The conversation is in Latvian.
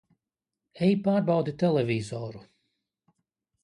Ej pārbaudi televizoru!